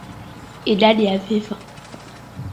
Idadi ya vifo